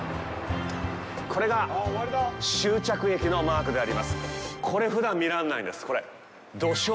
これが終着駅のマークであります。